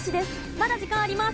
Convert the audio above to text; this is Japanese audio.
まだ時間あります。